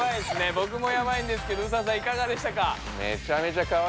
ぼくもやばいんですけどＳＡさんいかがでしたか？